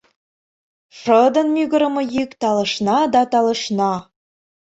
Шыдын мӱгырымӧ йӱк талышна да талышна.